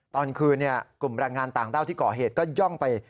ตอนคืนกลุ่มแรงงานต่างด้าวที่ก่อเหตุก็ย่องไป